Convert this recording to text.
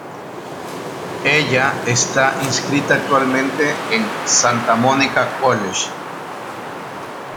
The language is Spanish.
Ella está inscrita actualmente en Santa Monica College.